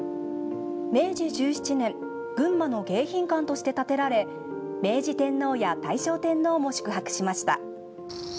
明治１７年群馬の迎賓館として建てられ明治天皇や大正天皇も宿泊しました。